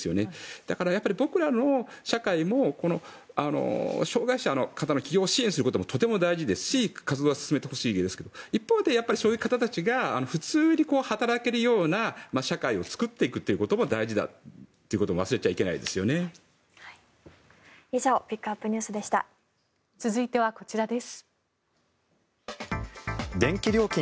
だから僕らの社会も障害者の方の起業を支援することもとても大事ですし活動は進めてほしいですが一方で、そういう方たちが普通に働けるような社会を作っていくことも大事だということもここからは菅原さん、林さんです。